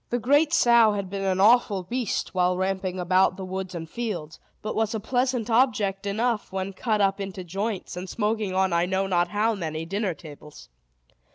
The great sow had been an awful beast, while ramping about the woods and fields, but was a pleasant object enough when cut up into joints, and smoking on I know not how many dinner tables.